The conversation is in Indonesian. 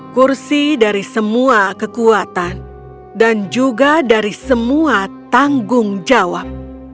kursi dari semua kekuatan dan juga dari semua tanggung jawab